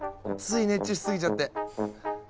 つい熱中しすぎちゃって。